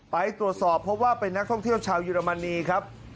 ไปตรวจสอบเพราะว่าเป็นนักท่องเที่ยวชาวเยอรมนีครับ